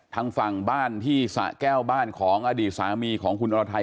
ทางฝั่งบ้านที่สะแก้วบ้านของอดีตสามีของคุณอรไทย